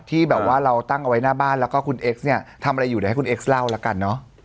ที่แบบว่าเราตั้งเอาไว้หน้าบ้านแล้วก็คุณเอ็กซ์เนี่ยทำอะไรอยู่เดี๋ยวให้คุณเอ็กซเล่าแล้วกันเนอะ